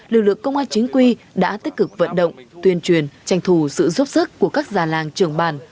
lực lượng công an chính quy đã tích cực vận động tuyên truyền tranh thủ sự giúp sức của các già làng trưởng bàn